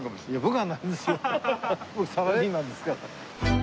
僕サラリーマンですから。